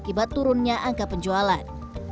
akibat turunnya angka penjualan